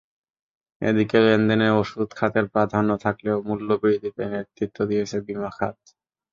এদিকে লেনদেনে ওষুধ খাতের প্রাধান্য থাকলেও মূল্যবৃদ্ধিতে নেতৃত্ব দিয়েছে বিমা খাত।